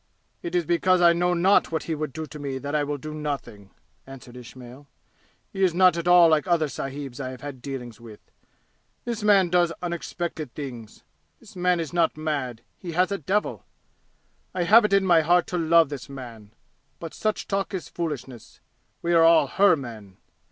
"It is because I know not what he would do to me that I will do nothing!" answered Ismail. "He is not at all like other sahibs I have had dealings with. This man does unexpected things. This man is not mad, he has a devil. I have it in my heart to love this man. But such talk is foolishness. We are all her men!"